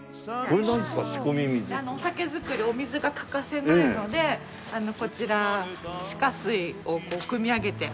お酒造りお水が欠かせないのでこちら地下水をこう汲み上げて。